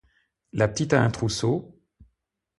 La petite a un trousseau?